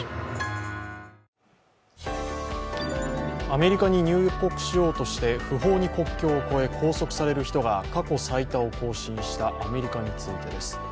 アメリカに入国しようとして不法に国境を越え拘束される人が過去最多を更新したアメリカについてです。